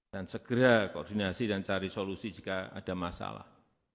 dan segera koordinasi dan cari solusi jika ada masalah